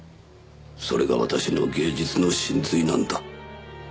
それが私の芸術の神髄なんだ。